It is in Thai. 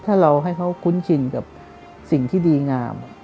ถ้าเราให้เขาคุ้นชินกับสิ่งที่ดีงาม